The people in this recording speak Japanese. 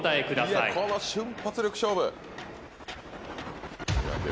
いやこの瞬発力勝負！